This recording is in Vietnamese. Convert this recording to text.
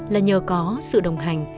là nhờ có sự đồng hành